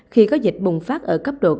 khi có dịch bùng phát ở các thành phố